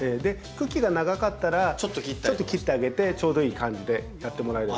茎が長かったらちょっと切ってあげてちょうどいい感じでやってもらえれば。